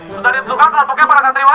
sudah ditentukan kelompoknya para santriwa